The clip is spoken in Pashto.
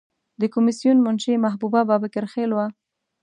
د کمیسیون منشی محبوبه بابکر خیل وه.